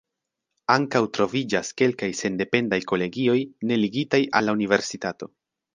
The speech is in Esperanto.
Ankaŭ troviĝas kelkaj sendependaj kolegioj ne ligitaj al la universitato.